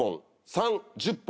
３。１０本。